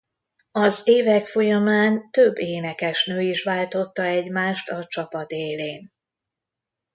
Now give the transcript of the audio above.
Az évek folyamán több énekesnő is váltotta egymást a csapat élén.